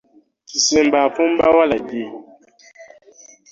Kisembo afumba walagi.